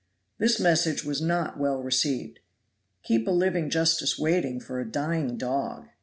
This message was not well received. Keep a living justice waiting for a dying dog!